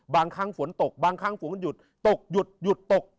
บางครั้งฝนตกบางครั้งฝนมันหยุดตกหยุดหยุดตก